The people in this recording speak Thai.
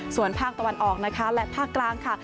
ส่วนภาคตะวันออกนะคะและภาคกลางค่ะ